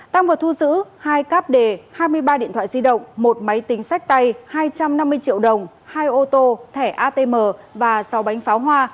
tăng vật thu giữ hai cáp đề hai mươi ba điện thoại di động một máy tính sách tay hai trăm năm mươi triệu đồng hai ô tô thẻ atm và sáu bánh pháo hoa